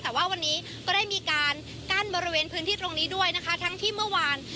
แต่ว่าวันนี้ก็ได้มีการกั้นบริเวณพื้นที่ตรงนี้ด้วยนะคะทั้งที่เมื่อวาน